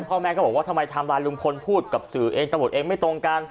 พ่อแม่ก็บอกว่าทำไมทำลายลุงพลพูดกับสื่อตามบทเองไม่ตรงกัน